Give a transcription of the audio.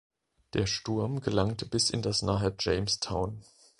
Der Sturm gelangte bis in das nahe Jamestown.